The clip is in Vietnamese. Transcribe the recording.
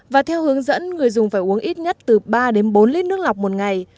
và theo hướng dẫn người dùng phải uống ít nhất từ ba đến bốn lít nước lọc một ngày